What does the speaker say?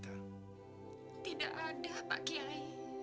tidak ada pak kiai